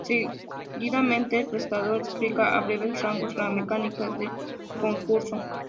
Seguidamente, el presentador explica a breves rasgos, la mecánica del concurso.